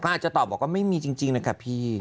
เขาอาจจะตอบบอกว่าไม่มีจริงนะคะพี่